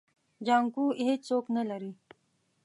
جانکو هيڅوک نه لري.